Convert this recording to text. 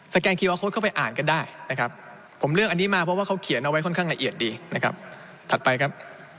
แกนคีย์วาโค้ดเข้าไปอ่านกันได้นะครับผมเลือกอันนี้มาเพราะว่าเขาเขียนเอาไว้ค่อนข้างละเอียดดีนะครับถัดไปครับ